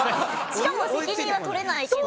しかも「責任は取れないけど」。